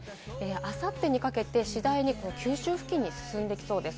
あさってにかけて次第に九州付近に進んできそうです。